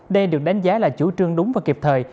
đây được đánh giá là chủ trương đúng và kịp thời